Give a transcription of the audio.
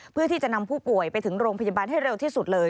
เพื่อที่จะนำผู้ป่วยไปถึงโรงพยาบาลให้เร็วที่สุดเลย